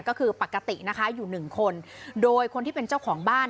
ก็คือปกตินะคะอยู่หนึ่งคนโดยคนที่เป็นเจ้าของบ้าน